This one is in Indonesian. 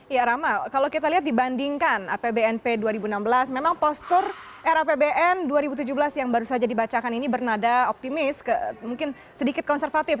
ya rama kalau kita lihat dibandingkan apbnp dua ribu enam belas memang postur rapbn dua ribu tujuh belas yang baru saja dibacakan ini bernada optimis mungkin sedikit konservatif